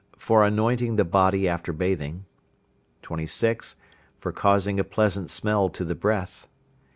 For anointing the body after bathing. 26. For causing a pleasant smell to the breath.